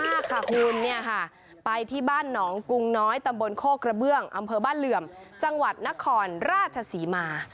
นี่ค่ะคุณเนี่ยค่ะไปที่บ้านหนองกุงน้อยตำบลโคกระเบื้องอำเภอบ้านเหลื่อมจังหวัดนครราชศรีมา